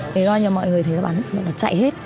thì gọi như là mọi người thấy nó bắn nó chạy hết